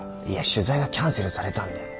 いや取材がキャンセルされたんで。